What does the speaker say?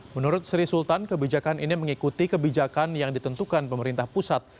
menurut sri sultan kebijakan ini mengikuti kebijakan yang ditentukan pemerintah pusat